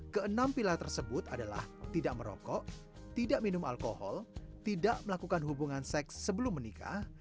keenam pilar tersebut adalah tidak merokok tidak minum alkohol tidak melakukan hubungan seks sebelum menikah